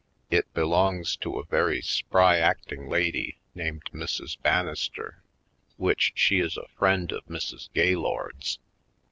It belongs to a very spry acting lady named Mrs. Banister, which she is a friend of Mrs. Gaylord's.